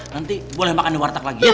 nanti boleh makan di warteg lagi